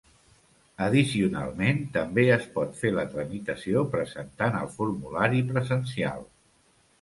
Addicionalment, també es pot fer la tramitació presentant el formulari presencial.